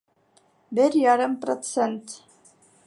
Бер ярым процент